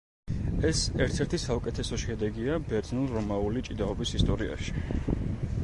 ეს ერთ-ერთი საუკეთესო შედეგია ბერძნულ-რომაული ჭიდაობის ისტორიაში.